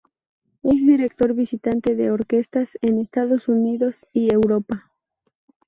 Es director visitante de orquestas en Estados Unidos y Europa.